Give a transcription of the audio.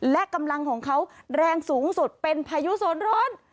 และกำลังของเขาแรงสูงสุดเป็นพายุโซนร้อน